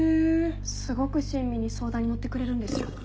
すごく親身に相談に乗ってくれるんですよ。